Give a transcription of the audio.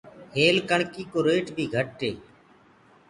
هيل ڪڻڪيِ ڪو ريٽ بيٚ گھٽ هي۔